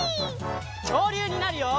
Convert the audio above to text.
きょうりゅうになるよ！